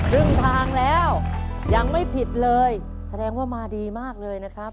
ครึ่งทางแล้วยังไม่ผิดเลยแสดงว่ามาดีมากเลยนะครับ